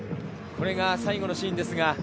これが最後のシーンです。